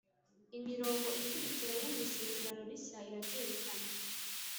Imirongo ikurikira yo mu Isezerano Rishya irabyerekena: